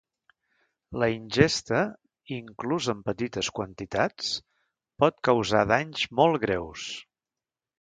La ingesta, inclús en petites quantitats, pot causar danys molt greus.